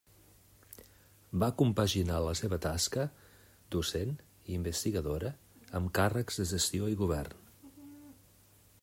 Va compaginar la seva tasca docent i investigadora amb càrrecs de gestió i govern.